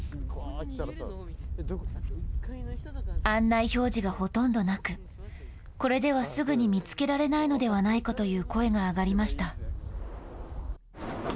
案内表示がほとんどなく、これではすぐに見つけられないのではないかという声が上がりました。